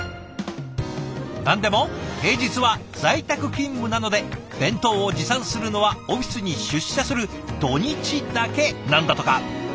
何でも平日は在宅勤務なので弁当を持参するのはオフィスに出社する土日だけなんだとか。